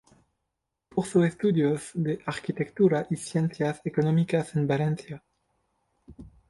Cursó estudios de Arquitectura y Ciencias Económicas en Valencia.